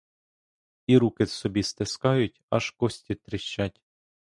І руки собі стискають, аж кості тріщать.